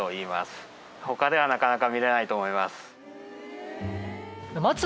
他ではなかなか見られないと思います。